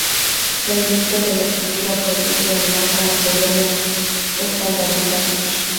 La industria de la cultura produce en masa materiales estandarizados.